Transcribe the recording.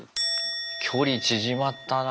距離縮まったな。